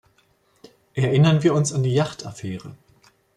Erinnern wir uns an die Jacht-Affäre.